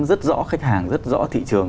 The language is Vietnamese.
rất rõ khách hàng rất rõ thị trường